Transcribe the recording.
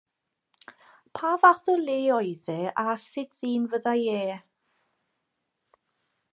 Pa fath o le oedd e, a sut ddyn fyddai e?